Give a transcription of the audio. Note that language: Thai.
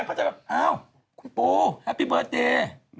เขาจะแบบอ้าวคุณปูแฮปปี้เบิร์ตเดย์